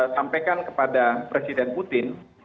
sampaikan kepada presiden putin